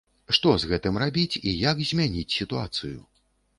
Што з гэтым рабіць і як змяніць сітуацыю?